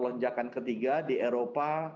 lonjakan ketiga di eropa